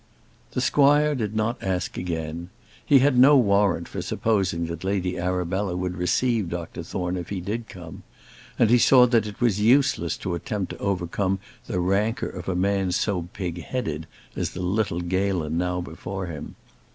The squire did not ask again. He had no warrant for supposing that Lady Arabella would receive Dr Thorne if he did come; and he saw that it was useless to attempt to overcome the rancour of a man so pig headed as the little Galen now before him.